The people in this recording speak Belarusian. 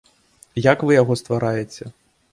Як вы яго ствараеце?